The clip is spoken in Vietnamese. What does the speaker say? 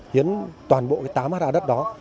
hiến toàn bộ cái tá mát ra đất đó